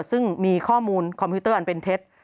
ซึ่งมีข้อมูลคอมพิวเตอร์อันเป็นเท็จ